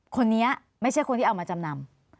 คนนี้ไม่ใช่คนที่เอามาจำนำ